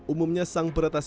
umumnya sang peretas